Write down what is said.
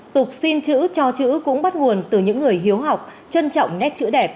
tục xin chữ cho chữ cũng bắt nguồn từ những người hiếu học trân trọng nét chữ đẹp